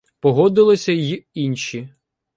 Погодилися й інші.